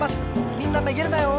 みんなめげるなよ！